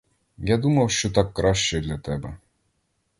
Я думав, що так краще для тебе.